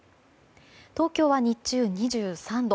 東京は日中、２３度。